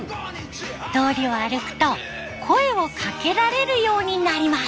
通りを歩くと声をかけられるようになります。